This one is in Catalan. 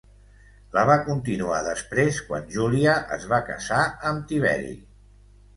La va continuar després quan Júlia es va casar amb Tiberi.